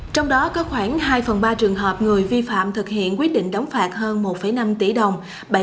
trong đó có khoảng hai phần ba trường hợp người vi phạm thực hiện quyết định đóng phạt hơn một năm tỷ đồng